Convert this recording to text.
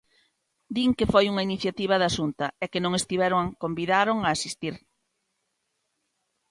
Din que foi unha iniciativa da Xunta e que non estiveron convidaron a asistir.